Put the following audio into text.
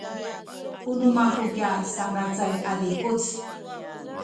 u nu maku kya sanglacay a zikuc.